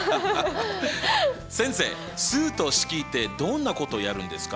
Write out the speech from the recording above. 先生「数と式」ってどんなことやるんですか？